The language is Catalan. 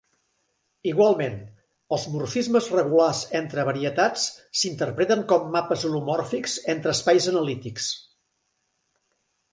Igualment, els morfismes regulars entre varietats s'interpreten com mapes holomòrfics entre espais analítics.